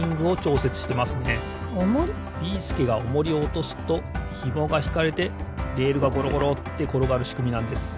ビーすけがオモリをおとすとひもがひかれてレールがゴロゴロってころがるしくみなんです。